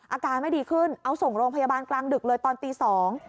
อาการไม่ดีขึ้นเอาส่งโรงพยาบาลกลางดึกเลยตอนตีสอง